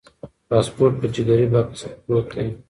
پاسپورت په جګري بکس کې پروت دی.